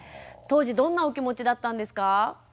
当時どんなお気持ちだったんですか？